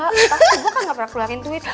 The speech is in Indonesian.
pasti aku kan gak pernah keluarin tweet